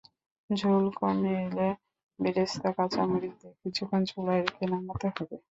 ঝোল কমে এলে বেরেস্তা, কাঁচামরিচ দিয়ে কিছুক্ষণ চুলায় রেখে নামাতে হবে।